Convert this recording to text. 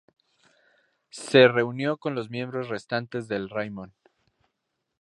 Se reunió con los miembros restantes del Raimon.